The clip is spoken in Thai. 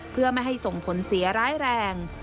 เพื่อไม่ให้ส่งผลเสียร้ายแรง